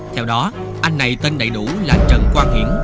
theo đó anh này tên đầy đủ là trần quang hiển